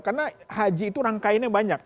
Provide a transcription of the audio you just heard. karena haji itu rangkainya banyak